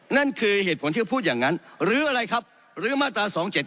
นั่นคือเหตุผลที่เขาพูดอย่างนั้นหรืออะไรครับหรือมาตรา๒๗๒